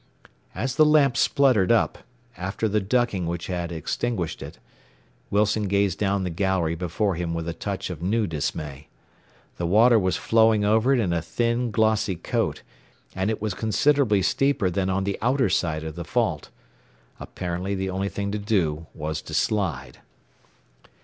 As the lamp spluttered up, after the ducking which had extinguished it, Wilson gazed down the gallery before him with a touch of new dismay. The water was flowing over it in a thin, glossy coat, and it was considerably steeper than on the outer side of the fault. Apparently the only thing to do was to slide.